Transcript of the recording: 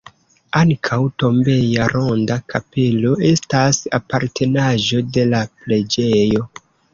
Ankaŭ tombeja ronda kapelo estas apartenaĵo de la preĝejo.